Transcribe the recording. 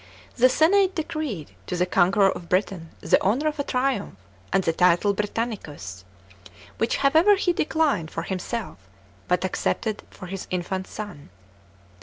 The senate decreed to the conqueror of Britain the honour of a triumph, and the title Britannicus, which, however, he declined for himself but accepted for hi* infant son.